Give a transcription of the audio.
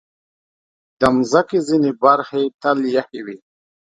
د مځکې ځینې برخې تل یخې وي.